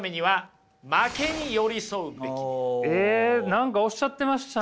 何かおっしゃってましたね。